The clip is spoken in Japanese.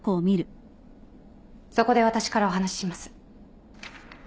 そこで私からお話しします。